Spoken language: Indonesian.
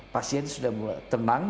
pasien sudah mulai tenang